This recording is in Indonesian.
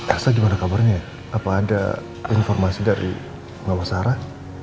elsa gimana kabarnya apa ada informasi dari mama sarah